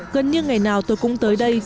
gần như ngày nào tôi cũng tới đây